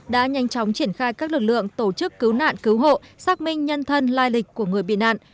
đã nhanh chóng triển khai các lực lượng tổ chức cứu nạn cứu hộ xác minh nhân thân lai lịch của người bị nạn